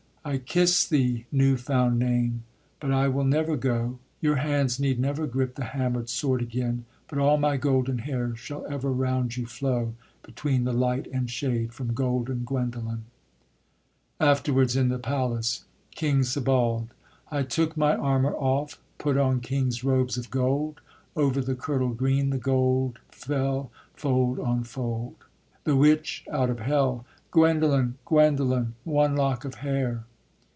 I kiss thee, new found name! but I will never go: Your hands need never grip the hammer'd sword again, But all my golden hair shall ever round you flow, Between the light and shade from Golden Guendolen. Afterwards, in the Palace. KING SEBALD. I took my armour off, Put on king's robes of gold; Over the kirtle green The gold fell fold on fold. THE WITCH, out of hell. _Guendolen! Guendolen! One lock of hair!